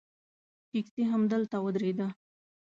ټیکسي همدلته ودرېده.